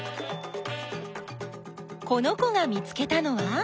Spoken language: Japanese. この子が見つけたのは？